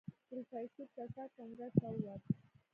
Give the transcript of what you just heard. پروفيسر چټک انګړ ته ووت.